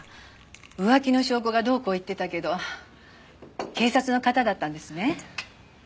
浮気の証拠がどうこう言ってたけど警察の方だったんですね。